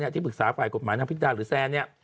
ที่ปรึกษาฝ่ายกฎหมายนางพิดาหรือแซนเนี่ย